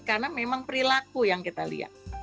karena memang perilaku yang kita lihat